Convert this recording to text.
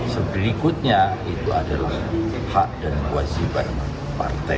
sebelikutnya itu adalah hak dan kewajiban partai